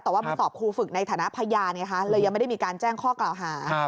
แต่ว่ามาสอบครูฝึกในฐานะพยานไงคะเลยยังไม่ได้มีการแจ้งข้อกล่าวหา